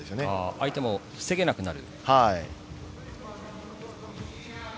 相手も防げなくなる。